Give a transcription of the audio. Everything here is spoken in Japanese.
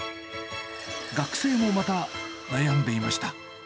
学生もまた、悩んでいました。